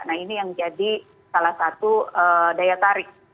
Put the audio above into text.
nah ini yang jadi salah satu daya tarik